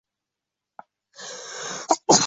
Arslonning bilagini mahkam ushlagancha tortardi.